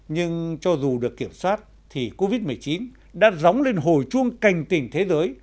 nhưng cho dù được kiểm soát thì covid một mươi chín đã dóng lên hồi chuông cành tình thế giới